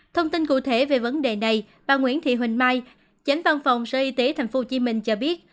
thông tin cụ thể về vấn đề này bà nguyễn thị huỳnh mai chánh văn phòng sở y tế tp hcm cho biết